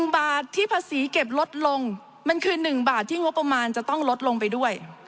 บาทที่ภาษีเก็บลดลงมันคือ๑บาทที่งบประมาณจะต้องลดลงไปด้วย